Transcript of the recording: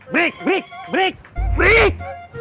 break break break